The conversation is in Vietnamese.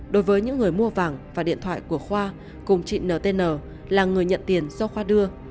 đối với những người mua vàng và điện thoại của khoa cùng chị ntn là người nhận tiền do khoa đưa